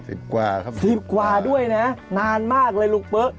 สิบกว่าครับสิบกว่าด้วยนะนานมากเลยลูกเป๊ะ